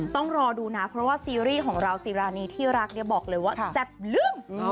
ต้องรอดูนะเพราะว่าซีรีส์ของเราซีรานีที่รักเนี่ยบอกเลยว่าแซ่บลื่น